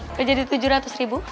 itu jadi tujuh ratus ribu